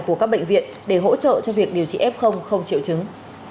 của các bệnh viện để hỗ trợ cho việc điều trị f không triệu chứng